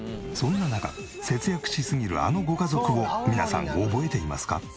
そんな中節約しすぎるあのご家族を皆さん覚えていますか？